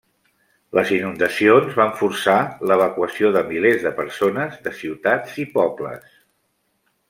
Les inundacions van forçar l'evacuació de milers de persones de ciutats i pobles.